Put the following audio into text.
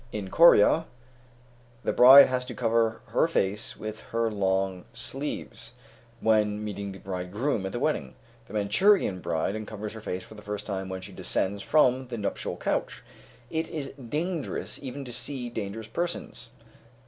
In Corea, the bride has to cover her face with her long sleeves, when meeting the bridegroom at the wedding. The Manchurian bride uncovers her face for the first time when she descends from the nuptial couch. It is dangerous even to see dangerous persons.